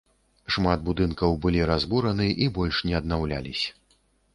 Шмат будынкаў былі разбураны, і больш не аднаўлялісь.